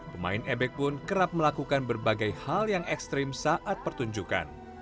pemain ebek pun kerap melakukan berbagai hal yang ekstrim saat pertunjukan